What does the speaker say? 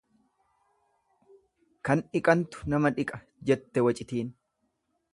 Kan dhiqantu nama dhiqa jette wacitiin.